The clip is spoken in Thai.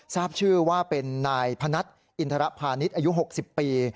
ทราบชื่อว่าเป็นนายพนัทอินทรภานิษฐ์อายุ๖๐ปี